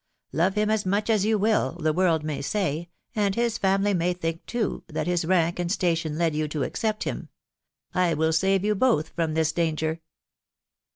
Love him as much as you will, the world may say, and his family may think too, that his rank and station led you to accept him. I wiU save you both from this danger.